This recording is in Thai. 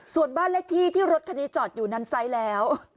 ส่วนบ้านเลขที่ที่รถคันนี้จอดอยู่นั้นไซส์แล้ว